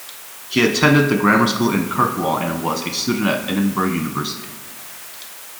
He attended the grammar school in Kirkwall, and was a student at Edinburgh University.